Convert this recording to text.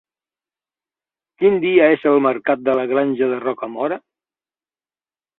Quin dia és el mercat de la Granja de Rocamora?